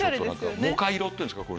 モカ色っていうんですか？